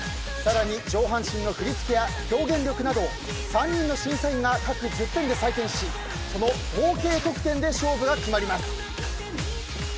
さらに上半身の振り付けや表現力など３人の審査員が各１０点で採点しその合計得点で勝負が決まります。